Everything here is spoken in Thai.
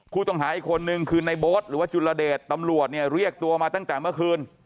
ผู้ต้องหาอีกคนนึงคือในโบ๊ทหรือว่าจุลเดชตำรวจเนี่ยเรียกตัวมาตั้งแต่เมื่อคืน